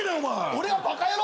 俺が「バカ野郎！」